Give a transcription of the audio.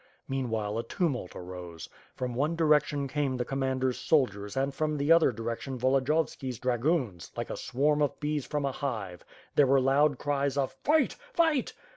Meanwhile, a tumult arose. From one direction came the commander's soldiers and from the other direction Volodiyovski's dragoons, like a swarm of bees from a hive. There were loud cries of "Fight! fight!"